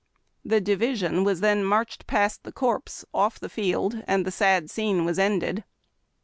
The division was then marched past the corpse, off the field, and the sad scene was ended.